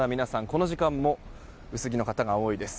この時間も薄着の方が多いです。